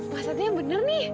mas artinya benar nih